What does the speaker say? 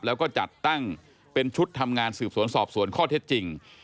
แล้วก็จัดตั้งเป็นชุดทำงานสืบสวนสอบสวนข้อเท็จจริง